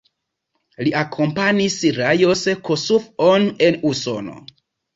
Li akompanis Lajos Kossuth-on en Usono.